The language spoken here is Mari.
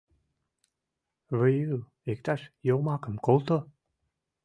— Выю, иктаж йомакым колто!..